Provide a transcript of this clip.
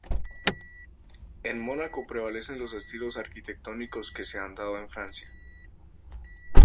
En Mónaco prevalecen los estilos arquitectónicos que se han dado en Francia.